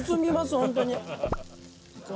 本当に。